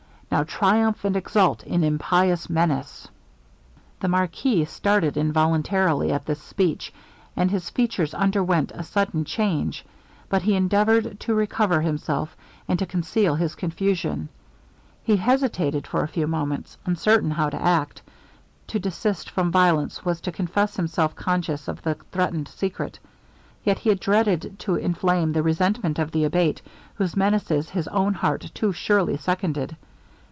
Now triumph and exult in impious menace!' The marquis started involuntarily at this speech, and his features underwent a sudden change, but he endeavoured to recover himself, and to conceal his confusion. He hesitated for a few moments, uncertain how to act to desist from violence was to confess himself conscious of the threatened secret; yet he dreaded to inflame the resentment of the Abate, whose menaces his own heart too surely seconded.